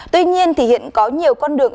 tuy nhiên thì hiện có nhiều con đường